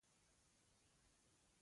د جنګ وسایل ورسره وي.